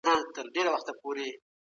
ولي د بېلابېلو نظرونو اورېدل ګټور دي؟